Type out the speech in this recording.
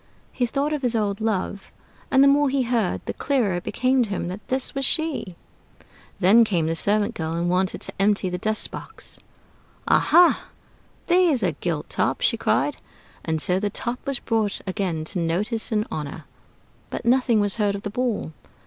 He thought of his old love; and the more he heard, the clearer it became to him that this was she. Then came the servant girl, and wanted to empty the dust box. "Aha, there's a gilt top!" she cried. And so the Top was brought again to notice and honor, but nothing was heard of the Ball.